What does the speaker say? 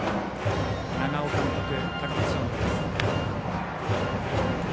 長尾監督、高松商業です。